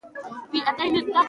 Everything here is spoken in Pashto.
تاریخ د صدقونو ډېره لار لري.